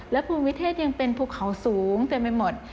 และภูมิเทศยังเป็นภูเขาสูงเต็มไปหมด